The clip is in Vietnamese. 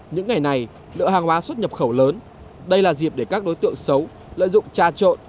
những ngày này lượng hàng hóa xuất nhập khẩu lớn đây là dịp để các đối tượng xấu lợi dụng tra trộn